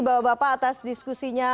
bapak bapak atas diskusinya